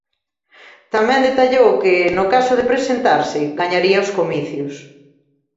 Tamén detallou que, no caso de presentarse, gañaría os comicios.